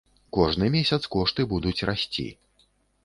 Кожны месяц кошты будуць расці.